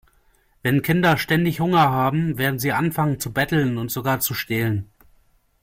Wenn Kinder ständig Hunger haben, werden sie anfangen zu betteln und sogar zu stehlen.